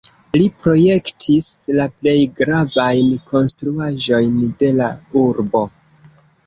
Li projektis la plej gravajn konstruaĵojn de la urbo.